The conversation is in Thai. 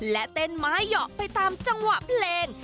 และเต้นไม้เหยาะไปตามจังหวะเพลง